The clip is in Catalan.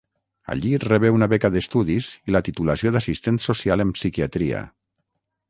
Allí rebé una beca d’estudis i la titulació d’assistent social en psiquiatria.